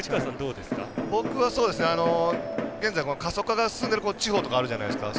僕は現在過疎化が進んでる地方とかあるんじゃないですか。